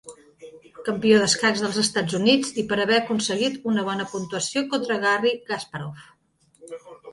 Campió d'escacs dels Estats Units, i per haver aconseguit una bona puntuació contra Garry Kasparov.